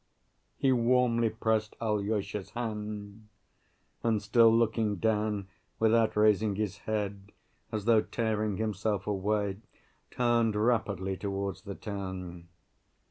He warmly pressed Alyosha's hand, and still looking down, without raising his head, as though tearing himself away, turned rapidly towards the town.